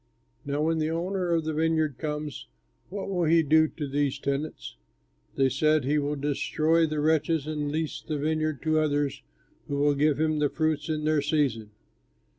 Now, when the owner of the vineyard comes, what will he do to these tenants?" They said, "He will destroy the wretches and lease the vineyard to others who will give him the fruits in their season."